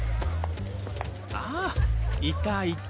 あいたいた。